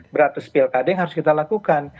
beratus pilkada yang harus kita lakukan